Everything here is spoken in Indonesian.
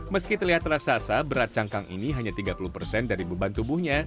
meski terlihat raksasa berat cangkang ini hanya tiga puluh persen dari beban tubuhnya